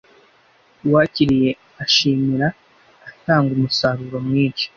Uwakiriye ashimira atanga umusaruro mwinshi.